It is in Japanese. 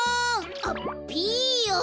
あっピーヨン。